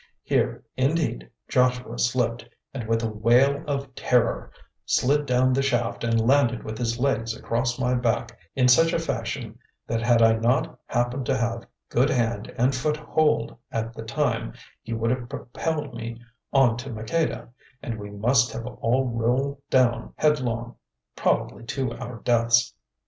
Here, indeed, Joshua slipped, and with a wail of terror slid down the shaft and landed with his legs across my back in such a fashion that had I not happened to have good hand and foot hold at the time, he would have propelled me on to Maqueda, and we must have all rolled down headlong, probably to our deaths.